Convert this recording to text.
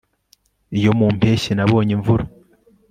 Iyo mu mpeshyi nabonye imvura